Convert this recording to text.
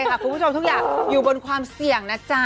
คุณผู้ชมทุกอย่างอยู่บนความเสี่ยงนะจ๊ะ